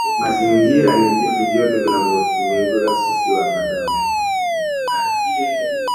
Mazingira ni vitu vyote vinavyotuzunguka sisi wanadamu